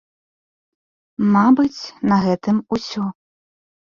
Мабыць, на гэтым усё.